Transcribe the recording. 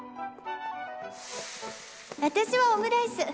私はオムライス。